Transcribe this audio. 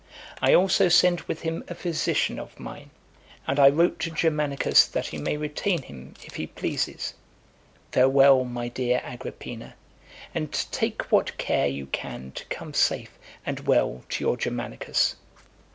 I also send with him a physician of mine, and I wrote to Germanicus that he may retain him if he pleases. Farewell, my dear Agrippina, and take what care you can to (256) come safe and well to your Germanicus."